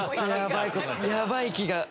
ヤバい気が。